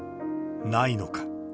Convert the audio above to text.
ないのか。